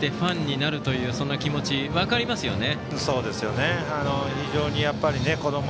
ファンになるというのはよく分かりますね。